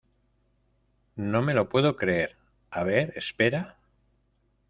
¡ no me lo puedo creer! a ver, espera.